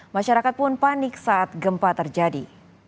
masyarakat pun panik saat gempa terjadi